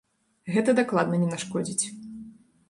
Гэта дакладна не нашкодзіць.